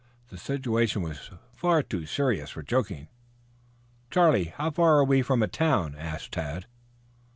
Their situation was too serious for joking. "Charlie, how far are we from a town?" asked Tad.